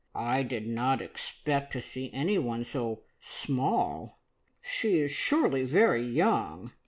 "I did not expect to see anyone so small. She is surely very young!"